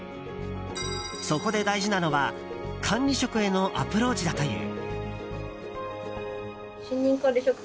そこで大事なのは管理職へのアプローチだという。